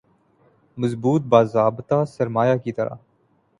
مضبوط باضابطہ سرمایہ کی طرح